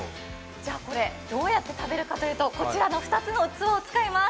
これ、どうやって食べるかというとこちらの２つの器を使います。